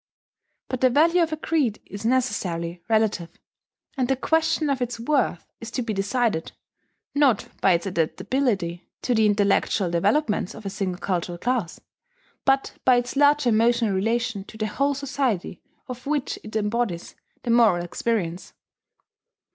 But the value of a creed is necessarily relative, and the question of its worth is to be decided, not by its adaptability to the intellectual developments of a single cultured class, but by its larger emotional relation to the whole society of which it embodies the moral experience.